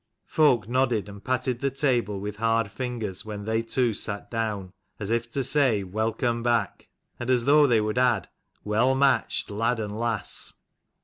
Folk nodded and patted the table with hard ringers when they two sat down, as if to say st Welcome back !" and as though they would add, "Well matched, lad and lass!"